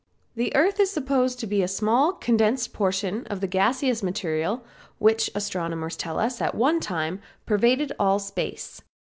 The earth is supposed to be a small, condensed portion of the gaseous material which astronomers tell us at one time pervaded all space.